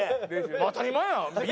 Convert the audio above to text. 当たり前やん！